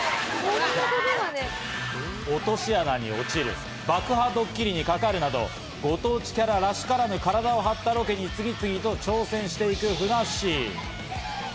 落とし穴に落ちる、爆破ドッキリにかかるなど、ご当地キャラらしからぬ体を張ったロケに次々と挑戦していく、ふなっしー。